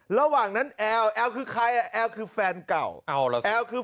ระหว่างนั้นแอลแอลคือใครอ่ะแอลคือแฟนเก่าเอาล่ะสิแอลคือ